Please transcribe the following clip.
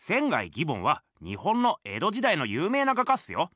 義梵は日本の江戸時代の有名な画家っすよ。